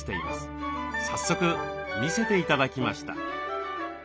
早速見せて頂きました。